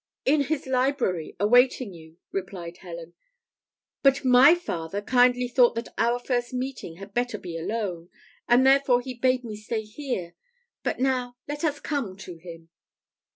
"In his library, awaiting you," replied Helen. "But my father kindly thought that our first meeting had better be alone, and therefore he bade me stay here: but now let us come to him."